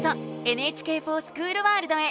「ＮＨＫｆｏｒＳｃｈｏｏｌワールド」へ。